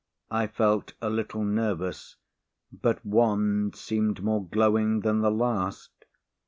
I felt a little nervous but one seemed more glowing than the last.